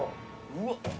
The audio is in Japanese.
うわっ。